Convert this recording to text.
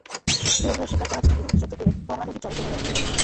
দুর্ঘটনার শিকার জাহাজটিকে পুলিশ জব্দ করে মংলা নদীর চরে ফেলে রাখে।